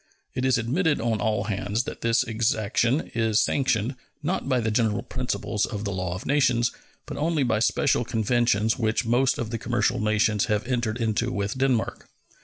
It is admitted on all hands that this exaction is sanctioned, not by the general principles of the law of nations, but only by special conventions which most of the commercial nations have entered into with Denmark.